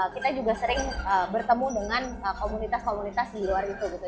kita juga sering bertemu dengan komunitas komunitas di luar itu gitu